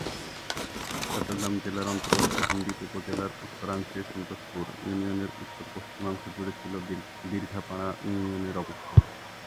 চট্টগ্রাম জেলার অন্তর্গত সন্দ্বীপ উপজেলার উত্তরাংশে সন্তোষপুর ইউনিয়নের উত্তর-পশ্চিমাংশ জুড়ে ছিল দীর্ঘাপাড় ইউনিয়নের অবস্থান।